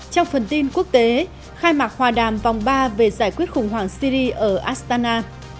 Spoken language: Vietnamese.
trong phần tin quốc tế khai mạc hòa đàm vòng ba về giải quyết khủng hoảng syri ở astana